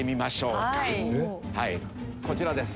はいこちらです。